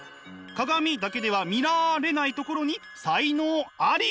鏡だけではミラーれないところに才能あり？